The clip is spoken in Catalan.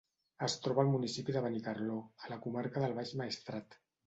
Es troba al municipi de Benicarló, a la comarca del Baix Maestrat.